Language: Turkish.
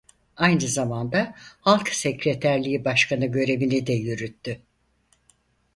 Aynı zamanda Halk Sekreterliği Başkanı görevini de yürüttü.